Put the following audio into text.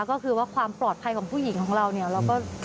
ก็คือว่าความปลอดภัยของผู้หญิงของเราเนี่ยเราก็